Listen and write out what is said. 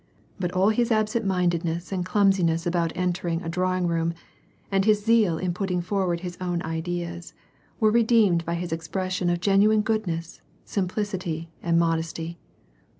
But all his absent mindedness and clumsinciss about entering a drawing room, and his zeal in putting forward his own ideas were redeemed by his expression of genuine goodness, simplicity, and modesty.